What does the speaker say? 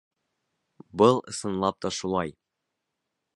Был, ысынлап та, шулай.